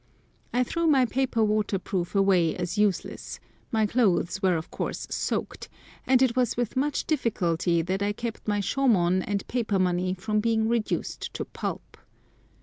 I threw my paper waterproof away as useless, my clothes were of course soaked, and it was with much difficulty that I kept my shomon and paper money from being reduced to pulp.